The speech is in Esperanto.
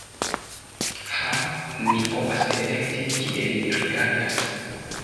Ha mi povas elekti kien mi rigardas.